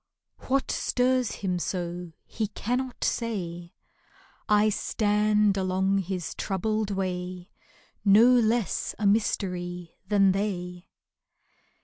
What stirs him so he can not say: I stand along his troubled way No less a mystery than they.